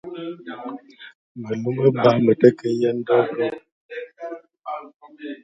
Me lou me ba me te ke yen dob-ro